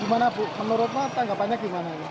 gimana bu menurutmu tanggapannya gimana